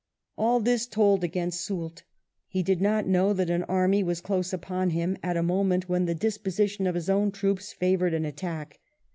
All this told against Soult He did not know that an army was close upon him at a moment when the disposition of his own troops favoured an attack.